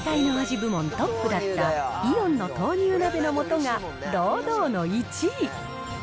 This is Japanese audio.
部門トップだったイオンの豆乳鍋のもとが、堂々の１位。